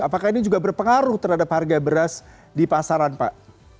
apakah ini juga berpengaruh terhadap harga beras di pasaran pak